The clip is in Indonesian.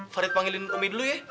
farid panggilin umi dulu ya